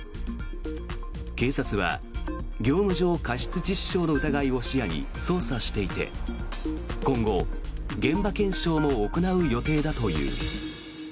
警察は業務上過失致死傷の疑いを視野に捜査していて今後、現場検証も行う予定だという。